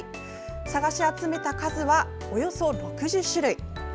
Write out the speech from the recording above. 探し集めた数は、およそ６０種類。